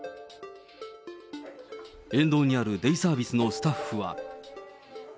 沿道にあるデイサービスのスタッフは。